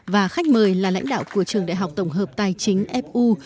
và khách mời là lãnh đạo của trường đại học tổng hợp tài chính fu